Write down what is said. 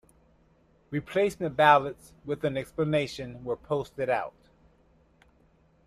Replacement ballots with an explanation were posted out.